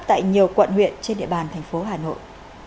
tại nhiều quận huyện trên địa bàn thành phố hà nội